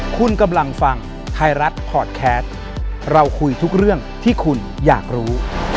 คุณกำลังฟังไทยรัฐพอร์ตแคสต์เราคุยทุกเรื่องที่คุณอยากรู้